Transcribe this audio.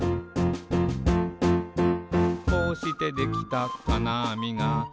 「こうしてできたかなあみが」